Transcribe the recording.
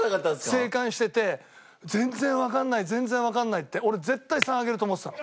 静観してて全然わかんない全然わかんないって俺絶対３上げると思ってたの。